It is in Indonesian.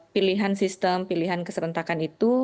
pilihan sistem pilihan keserentakan itu